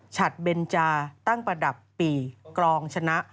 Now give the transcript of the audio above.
ฉัดเบนจาตั้งประดับปีกรองชนะ